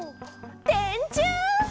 「でんちゅう！」